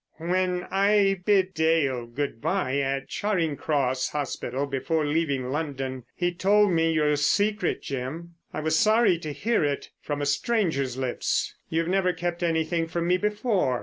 "When I bid Dale good bye at Charing Cross Hospital before leaving London he told me your secret, Jim. I was sorry to hear it from a stranger's lips. You've never kept anything from me before."